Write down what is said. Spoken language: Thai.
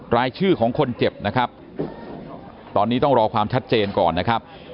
รายชื่อของคนเจ็บนะครับตอนนี้ต้องรอความชัดเจนก่อนนะครับ